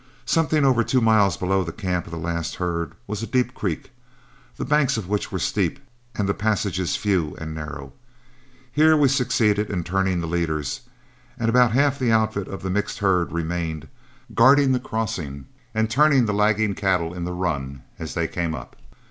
Something over two miles below the camp of the last herd was a deep creek, the banks of which were steep and the passages few and narrow. Here we succeeded in turning the leaders, and about half the outfit of the mixed herd remained, guarding the crossing and turning the lagging cattle in the run as they came up.